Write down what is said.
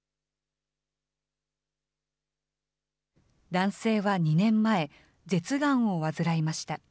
男性は２年前、舌がんを患いました。